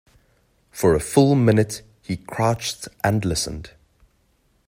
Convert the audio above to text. For a full minute he crouched and listened.